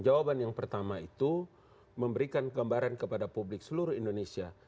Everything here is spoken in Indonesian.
jawaban yang pertama itu memberikan gambaran kepada publik seluruh indonesia